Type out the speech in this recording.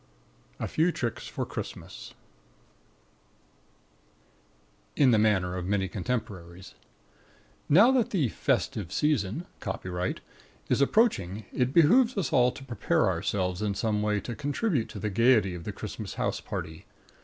A FEW TRICKS FOR CHRISTMAS (In the manner of many contemporaries) Now that the "festive season" (copyright) is approaching, it behoves us all to prepare ourselves in some way to contribute to the gaiety of the Christmas house party.